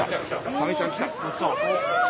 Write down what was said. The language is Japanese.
サメちゃん来た！わ！